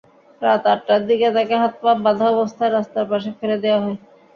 রাত আটটার দিকে তাঁকে হাত-পা বাঁধা অবস্থায় রাস্তার পাশে ফেলে দেওয়া হয়।